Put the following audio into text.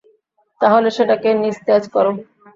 তাহলে সেটাকে নিস্তেজ করো।